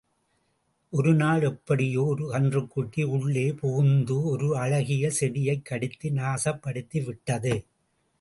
ஒருநாள் எப்படியோ ஒரு கன்றுக்குட்டி உள்ளே புகுந்து ஒரு அழகிய செடியைக் கடித்து நாசப்படுத்தி விட்டது.